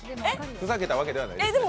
ふざけたわけではないですね。